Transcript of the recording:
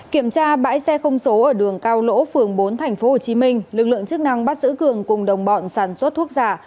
kiểm tra bãi xe không số ở đường cao lỗ phường bốn tp hcm lực lượng chức năng bắt giữ cường cùng đồng bọn sản xuất thuốc giả